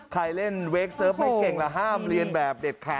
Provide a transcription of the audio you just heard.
ใครเล่นเวคเซิร์ฟไม่เก่งละห้ามเรียนแบบเด็ดขาด